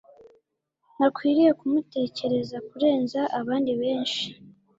ntakwiriye kumutekereza kurenza abandi benshi